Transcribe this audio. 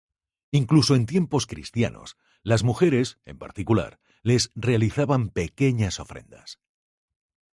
Incluso en tiempos cristianos, las mujeres, en particular, les realizaban pequeñas ofrendas.